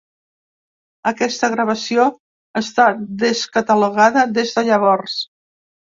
Aquesta gravació està descatalogada des de llavors.